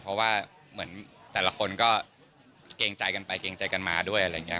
เพราะว่าเหมือนแต่ละคนก็เกรงใจกันไปเกรงใจกันมาด้วยอะไรอย่างนี้